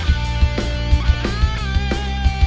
ya yaudah jadi keeper aja ya